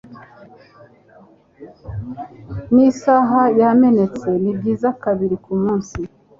N'isaha yamenetse ni byiza kabiri kumunsi.